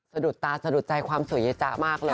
สะดุดตาสะดุดใจความสวยเย้จ๊ะมากเลย